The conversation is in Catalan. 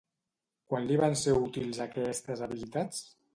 Quan li van ser útils aquestes habilitats?